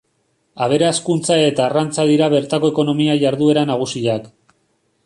Abere-hazkuntza eta arrantza dira bertako ekonomia-jarduera nagusiak.